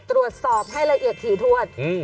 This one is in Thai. ตรวจสอบให้ละเอียดถีทวดนะคะ